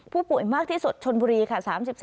ผู้ป่วยมากที่สุดชนบุรีค่ะ